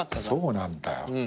そうなんだよ。